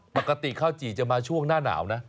ปกติข้าวจี่จะมาช่วงหน้าหนาวนะ